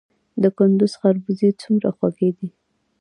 د کندز خربوزې څومره خوږې دي؟